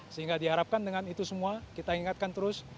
sehingga diharapkan dengan itu semua kita ingatkan terus